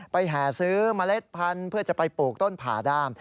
แห่ซื้อเมล็ดพันธุ์เพื่อจะไปปลูกต้นผ่าด้าม